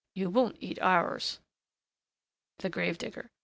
You won't eat ours." THE GRAVE DIGGER.